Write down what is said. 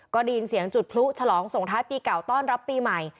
ก็ได้ยินเสียงจุดพลุฉลองส่งท้ายปีเก่าต้อนรับปีใหม่